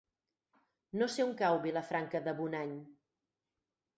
No sé on cau Vilafranca de Bonany.